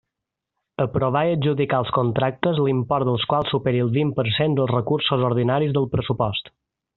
Aprovar i adjudicar els contractes l'import dels quals superi el vint per cent dels recursos ordinaris del pressupost.